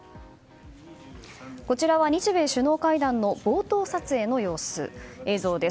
こちらは日米首脳会談の冒頭撮影の映像です。